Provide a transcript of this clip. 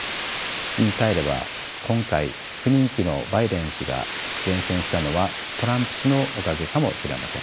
言いかえれば今回不人気のバイデン氏が善戦したのはトランプ氏のおかげかもしれません。